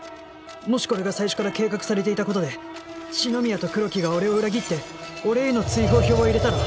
もしこれが最初から計画されていた事で紫宮とクロキが俺を裏切って俺への追放票を入れたら